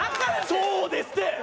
そうですって！